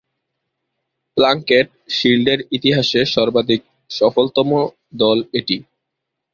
Plunkett শীল্ডের ইতিহাসে সর্বাধিক সফলতম দল এটি।